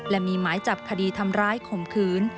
และมีหมายจับคดีทำร้ายข่มขืน